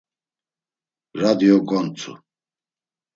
Radio gontzu.